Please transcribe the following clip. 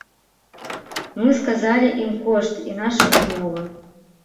Мы сказалі ім кошт і нашы ўмовы.